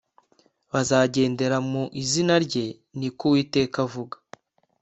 bazagendera mu izina rye ni ko uwiteka avuga